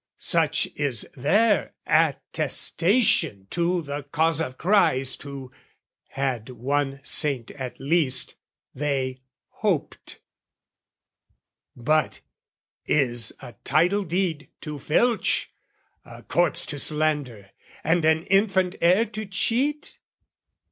Such is their attestation to the cause Of Christ, who had one saint at least, they hoped: But, is a title deed to filch, a corpse To slander, and an infant heir to cheat?